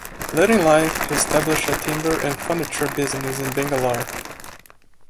Later in life, he established a timber and furniture business in Bangalore.